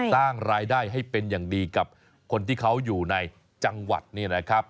สร้างรายได้ให้เป็นอย่างดีกับคนที่เขาอยู่ในจังหวัดนี่นะครับ